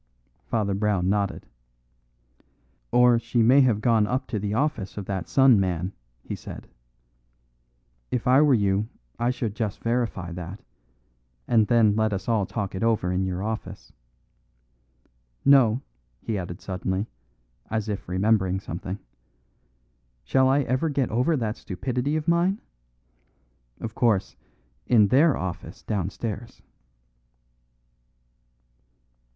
Father Brown nodded. "Or, she may have gone up to the office of that sun man," he said. "If I were you I should just verify that, and then let us all talk it over in your office. No," he added suddenly, as if remembering something, "shall I ever get over that stupidity of mine? Of course, in their office downstairs."